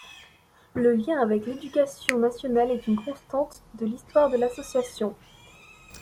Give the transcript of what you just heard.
Le lien avec l'Éducation nationale est une constante de l'histoire de l'association.